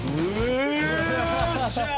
よっしゃ！